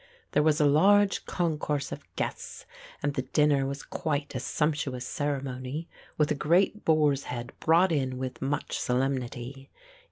There was a large concourse of guests and the dinner was quite a sumptuous ceremony, with a great boar's head brought in with much solemnity.